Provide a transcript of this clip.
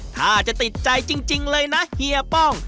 ถ้าจะติดใจจริงเลยนะเฮียป้อง